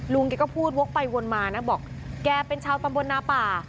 แกก็พูดวกไปวนมานะบอกแกเป็นชาวตำบลนาป่า